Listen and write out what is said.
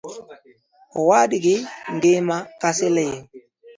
Owadgi ngima ka siling